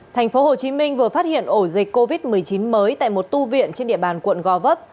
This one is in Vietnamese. thành phố hồ chí minh vừa phát hiện ổ dịch covid một mươi chín mới tại một tu viện trên địa bàn quận gò vấp